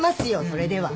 それでは。